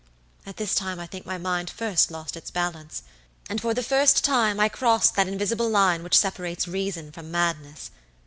At this time I think my mind first lost its balance, and for the first time I crossed that invisible line which separates reason from madness.